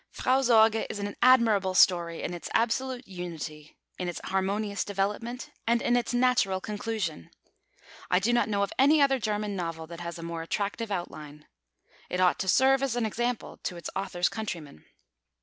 Frau Sorge is an admirable story in its absolute unity, in its harmonious development, and in its natural conclusion. I do not know of any other German novel that has a more attractive outline. It ought to serve as an example to its author's countrymen.